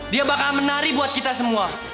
dia bakal menari buat kita semua